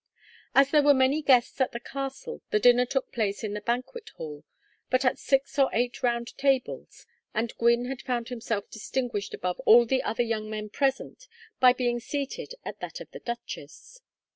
As there were many guests at the castle the dinner took place in the banquet hall, but at six or eight round tables, and Gwynne had found himself distinguished above all the other young men present by being seated at that of the duchess.